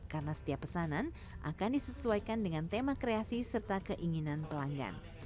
karena setiap pesanan akan disesuaikan dengan tema kreasi serta keinginan pelanggan